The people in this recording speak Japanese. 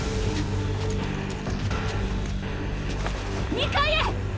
２階へ！